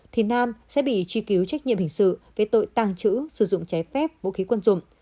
thì nam sẽ bị truy cứu trách nhiệm hình sự về tội tàng trữ sử dụng trái phép vũ khí quân dụng